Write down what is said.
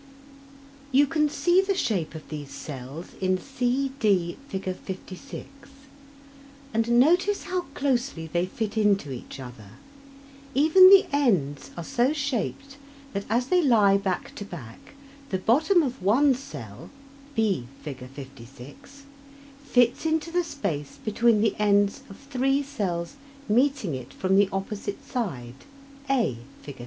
You can see the shape of these cells in c,d, Fig. 56, and notice how closely they fit into each other. Even the ends are so shaped that, as they lie back to back, the bottom of one cell (B, Fig. 56) fits into the space between the ends of three cells meeting it from the opposite side (A, Fig.